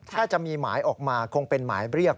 ถ้าจะมีหมายออกมาคงเป็นหมายเรียก